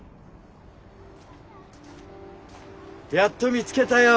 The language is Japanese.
やっと見つけたよ